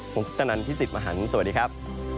ผมพุทธนันที่๑๐มหันต์สวัสดีครับ